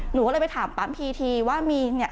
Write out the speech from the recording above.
หนูก็เลยไปถามปั๊มพีทีว่ามีเนี่ย